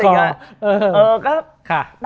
ตอนแรกก็